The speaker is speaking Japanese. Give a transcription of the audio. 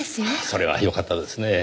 それはよかったですねぇ。